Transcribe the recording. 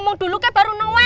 ngomong dulu kan baru noel